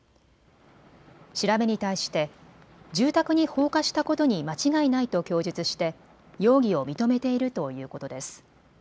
調べに対して住宅に放火したことに間違いないと供述して容疑を認めているということです。